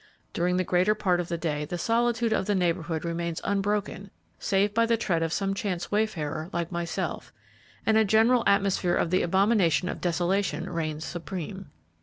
During the greater part of the day the solitude of the neighbourhood remains unbroken save by the tread of some chance wayfarer like myself, and a general atmosphere of the abomination of desolation reigns supreme.